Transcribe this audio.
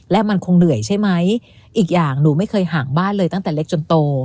และมันคงเหนื่อยใช่ไหมอีกอย่างหนูไม่เคยห่างบ้านเลยตั้งแต่เล็กจนโต